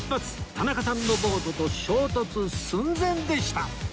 田中さんのボートと衝突寸前でした！